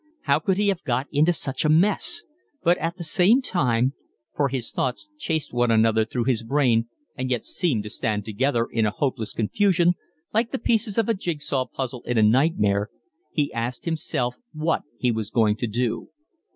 How could he have got into such a mess? But at the same time, for his thoughts chased one another through his brain and yet seemed to stand together, in a hopeless confusion, like the pieces of a jig saw puzzle seen in a nightmare, he asked himself what he was going to do.